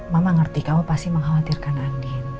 mama ngerti kamu pasti mengkhawatirkan aku ya